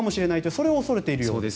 それを恐れているようです。